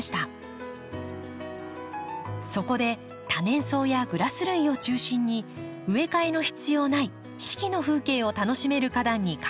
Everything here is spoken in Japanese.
そこで多年草やグラス類を中心に植え替えの必要ない四季の風景を楽しめる花壇にかえたのです。